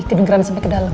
tidak geran sampai ke dalam